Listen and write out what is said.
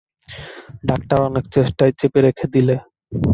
Doctor অনেক চেস্টায় চেপে রেখে দিলে।